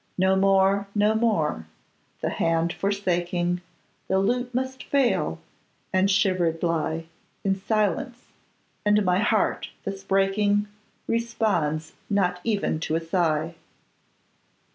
No more, no more! The hand forsaking, The lute must fall, and shivered lie In silence: and my heart thus breaking, Responds not even to a sigh.